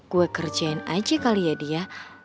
gue kerjain aja kali ya dia